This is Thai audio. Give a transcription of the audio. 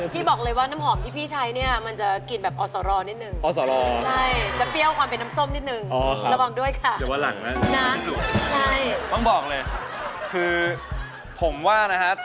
พี่บอกเลยว่าน้ำหอมที่พี่ใช้เนี่ยมันจะกลิ่นแบบออซอลอนิดนึง